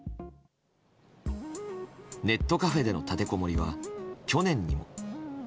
ネットカフェでの立てこもりは去年にも。